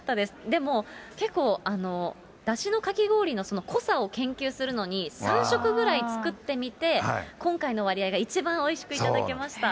でも、結構、だしのかき氷の濃さを研究するのに、３食ぐらい作ってみて、今回の割合が一番おいしく頂けました。